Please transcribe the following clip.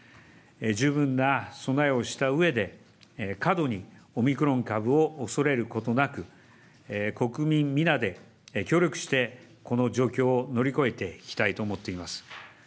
十分な備えをしたうえで、過度にオミクロン株をおそれることなく、国民皆で協力してこの状況を乗り越えていきたいと思っています。